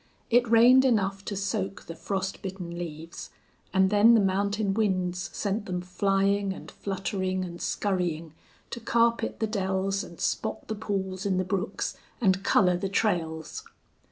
It rained enough to soak the frost bitten leaves, and then the mountain winds sent them flying and fluttering and scurrying to carpet the dells and spot the pools in the brooks and color the trails.